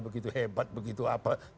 begitu hebat begitu apa